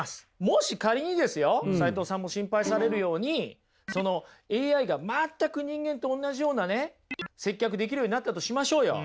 もし仮にですよ齋藤さんも心配されるようにＡＩが全く人間とおんなじようなね接客できるようになったとしましょうよ。